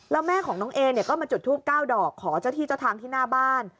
แล้วแม่ของน้องเอเนี่ยก็มาจุดทูป๙ดอกขอเจ้าที่เจ้าทางที่หน้าบ้าน